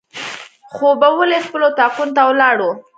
خوبولي خپلو اطاقونو ته ولاړو.